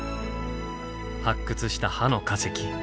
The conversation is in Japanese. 発掘した歯の化石。